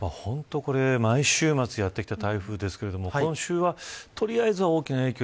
毎週末やってきた台風ですが今週は取りあえず大きな影響